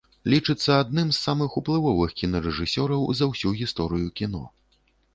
Лічыцца адным з самых уплывовых кінарэжысёраў за ўсю гісторыю кіно.